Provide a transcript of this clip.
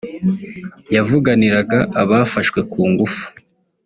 yavuganiraga abafashwe ku ngufu